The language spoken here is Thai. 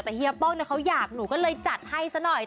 แต่เฮียป้องเขาอยากหนูก็เลยจัดให้ซะหน่อย